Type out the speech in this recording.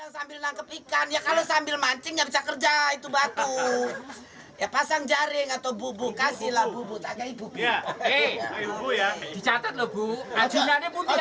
saya bilang sambil menangkap ikan ya kalau sambil mancing ya bisa kerja itu batu